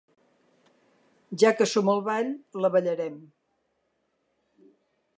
Ja que som al ball, la ballarem.